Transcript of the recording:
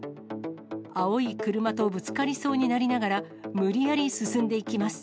青い車とぶつかりそうになりながら、無理やり進んでいきます。